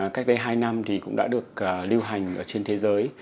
cách đây hai năm thì cũng đã được lưu hành trên thế giới